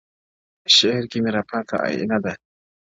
شعـر كي مي راپـاتـــه ائـيـنه نـه ده؛